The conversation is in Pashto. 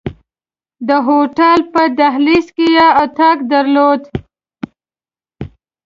د هوټل په دهلیز کې یې اتاق درلود.